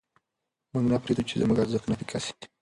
موږ نه پرېږدو چې زموږ ارزښتونه پیکه سي.